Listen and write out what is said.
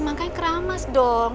makanya keramas dong